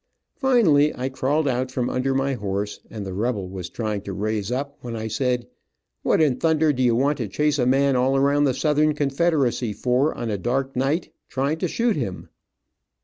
Finally I crawled out from under my horse, and the rebel was trying to raise up, when I said, "What in thunder you want to chase a man all around the Southern Confederacy for, on a dark night, trying to shoot him?"